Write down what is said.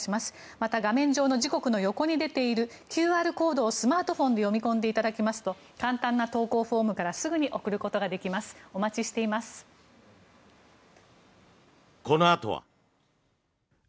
また画面上の時刻の横に出ているＱＲコードをスマートフォンで読み込んでいただきますと簡単な投稿フォームからすぐに送ることができます。